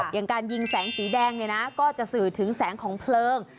อย่างการยิงแสงสีแดงเนี่ยนะก็จะสื่อถึงแสงของเพลิง